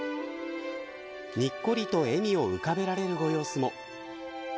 にっこりと笑みを浮かべられるご様子も。